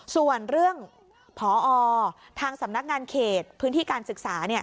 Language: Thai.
ส่วนเรื่องพอทางสำนักงานเขตพื้นที่การศึกษา